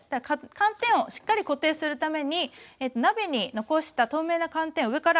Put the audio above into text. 寒天をしっかり固定するために鍋に残した透明な寒天を上からかけていきます。